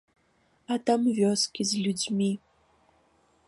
А там вёскі з людзьмі.